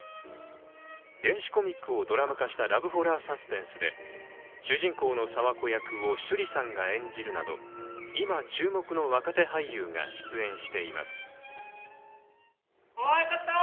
電子コミックをドラマ化したラブホラーサスペンスで主人公のサワコ役を、趣里さんが演じるなど今注目の若手俳優が出演しています。